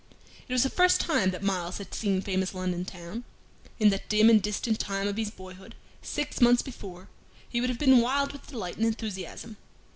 It was the first time that Myles had seen famous London town. In that dim and distant time of his boyhood, six months before, he would have been wild with delight and enthusiasm.